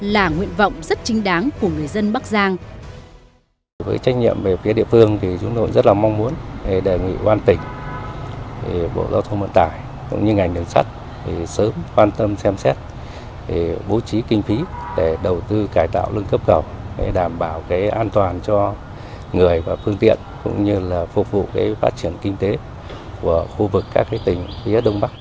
là nguyện vọng rất chính đáng của người dân bắc giang